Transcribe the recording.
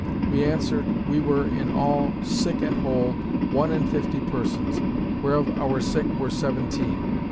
We answered, "We were in all, (sick and whole,) one and fifty persons, whereof our sick were seventeen."